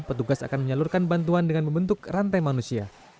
petugas akan menyalurkan bantuan dengan membentuk rantai manusia